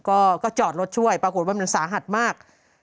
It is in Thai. ก็จอดรถช่วยปรากฏว่ามันสาหัสมาก